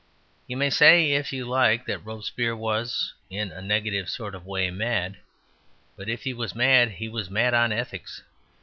You may say if you like that Robespierre was (in a negative sort of way) mad. But if he was mad he was mad on ethics.